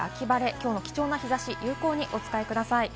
きょうの貴重な日差しを有効にお使いください。